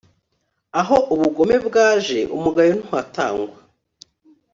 aho ubugome bwaje umugayo ntuhatangwa